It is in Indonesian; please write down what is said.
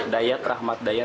dayat rahmat dayat